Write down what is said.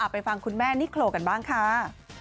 ไปฟังคุณแม่นิโครกันบ้างค่ะ